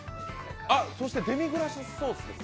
そしてデミグラスソースですか。